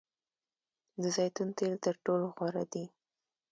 د زیتون تیل تر ټولو غوره دي.